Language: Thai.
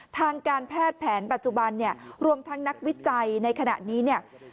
ทางการแพทย์แผนปัจจุบันเนี่ยรวมทั้งนักวิจัยในขณะนี้เนี่ย